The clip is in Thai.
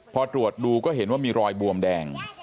พอตรวจดูก็เห็นว่ามีรอยบวมแดง